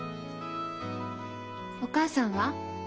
お母さんは？